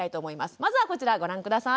まずはこちらご覧下さい。